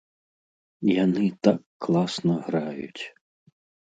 Яны так класна граюць!